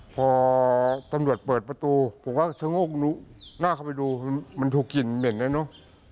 พอตำรวจเปิดประตูผมก็ชะโงกหน้าเข้าไปดูมันถูกกลิ่นเหม็นแล้วเนอะ